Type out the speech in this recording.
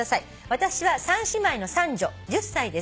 私は三姉妹の三女１０歳です」